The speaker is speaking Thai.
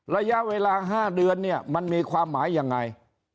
ระยะเวลา๕เดือนเนี่ยมันมีความหมายยังไง